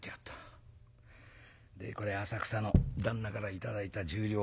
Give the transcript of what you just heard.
でこれは浅草の旦那から頂いた１０両。